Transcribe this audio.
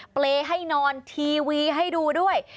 เปรย์ให้นอนทีวีให้ดูด้วย